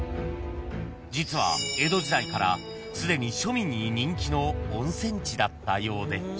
［実は江戸時代からすでに庶民に人気の温泉地だったようで］